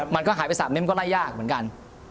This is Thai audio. มันก็หายไป๓เม็มก็ไล่ยากเหมือนกัน